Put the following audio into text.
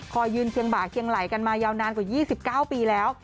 ยืนเคียงบ่าเคียงไหลกันมายาวนานกว่า๒๙ปีแล้ว